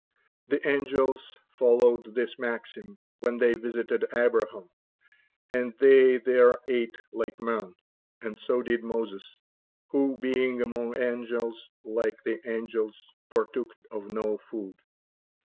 The angels followed this maxim when they visited Abraham, for they there ate like men; and so did Moses, who being among angels, like the angels partook of no food.